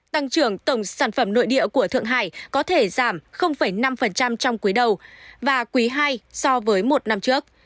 tăng trưởng tổng sản phẩm nội địa của thượng hải có thể giảm năm trong quý đầu và quý ii so với một năm trước